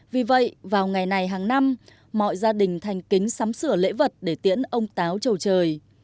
vì vậy vào ngày này hàng năm mọi gia đình thành kính sắm sửa lễ vật để tiễn ông táo trầu trời